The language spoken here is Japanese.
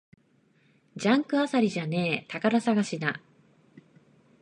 ジャンク漁りじゃねえ、宝探しだ